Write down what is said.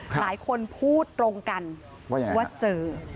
หลายคนพูดตรงกันว่าเจอ